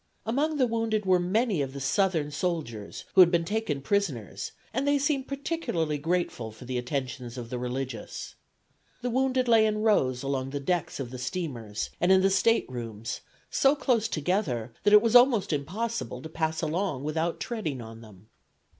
Among the wounded were many of the Southern soldiers, who had been taken prisoners; and they seemed particularly grateful for the attentions of the religious. The wounded lay in rows along the decks of the steamers, and in the state rooms, so close together that it was almost impossible to pass along without treading on them.